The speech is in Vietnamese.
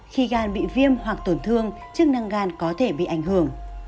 khi gan bị viêm hoặc tổn thương chức năng gan có thể bị ảnh hưởng